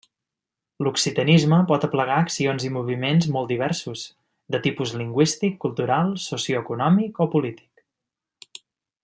L'occitanisme pot aplegar accions i moviments molt diversos, de tipus lingüístic, cultural, socioeconòmic o polític.